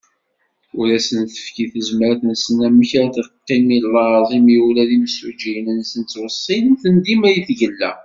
Ur asen-tefki tezmert-nsen amek ad qqimen i laẓ, imi ula d imsujjiyen-nsen ttwessin-ten dima i tgella.